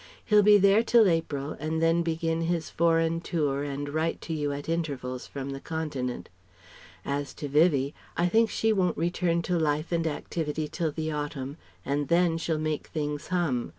He'll be there till April, and then begin his foreign tour and write to you at intervals from the Continent. As to Vivie, I think she won't return to life and activity till the autumn and then she'll make things hum.